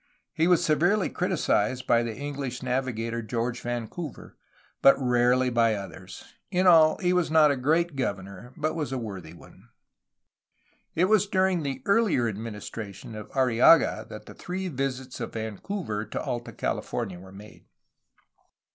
He was severely criticized by the English navigator George Vancouver, but rarely by others. All in all, he was not a great governor, but was a worthy one. THE ROMANTIC PERIOD, 1782 1810 405 It was during the earlier administration of Arrillaga that the three visits of Vancouver to Alta Cahfornia were made.